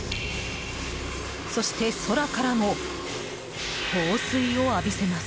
そして、空からも放水を浴びせます。